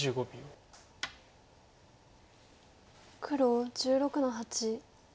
黒１６の八。